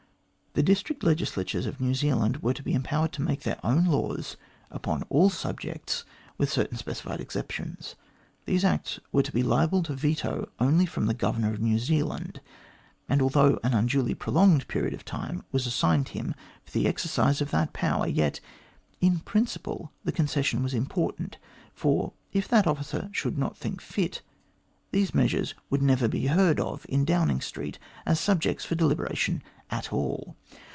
The district legislatures of New Zealand were to be empowered to make laws upon all subjects, with certain specified exceptions. These Acts were to be liable to veto only from the Governor of New Zealand, and although an unduly prolonged period of time was assigned him for the exercise of that power, yet in principle the concession was important, for, if that officer should not think fit, these measures would never be heard of in Downing Street as subjects for deliberation at all.